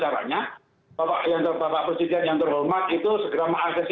ternyata tidak juga karena pak presiden saat itu juga tidak bodoh gitu loh kenapa beliau tidak mengaksesia ctc